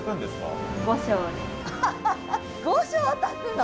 ５升炊くの？